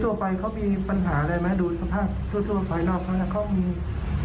แล้วแล้วทั่วไปเขามีปัญหาอะไรไหมดูสภาพทั่วไปนอกเขามี